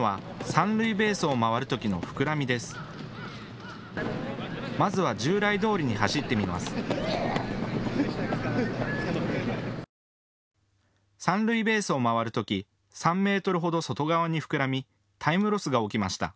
三塁ベースを回るとき３メートルほど外側に膨らみタイムロスが起きました。